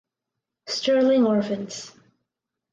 Sterling Orphans.